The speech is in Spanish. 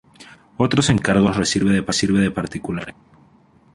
Otros encargos recibe de particulares.